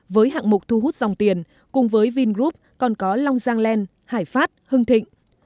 với hạng mục thu hút dòng tiền cùng với vingroup còn có long giang len hải phát hưng thịnh